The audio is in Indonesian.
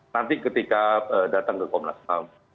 nanti ketika datang ke komnas ham